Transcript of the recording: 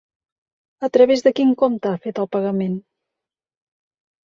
A través de quin compte ha fet el pagament?